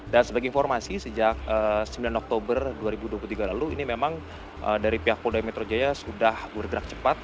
dan sebagai informasi sejak sembilan oktober dua ribu dua puluh tiga lalu ini memang dari pihak poldai metro jaya sudah bergerak cepat